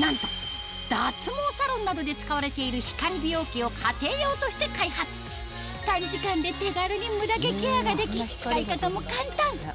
なんと脱毛サロンなどで使われている光美容器を家庭用として開発手軽に使い方も簡単！